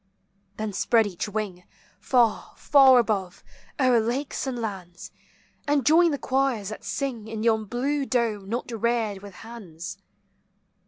Then spread each wing Far, far above, o'er lakes and lands, And join the choirs that sing In yon blue dome not reared with hands.